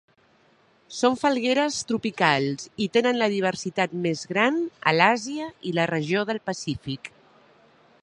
Són falgueres tropicals, i tenen la diversitat més gran a l'Àsia i la regió del Pacífic.